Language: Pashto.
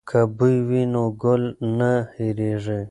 که بوی وي نو ګل نه هیرېږي.